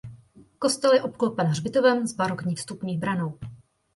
Kostel je obklopen hřbitovem s barokní vstupní branou.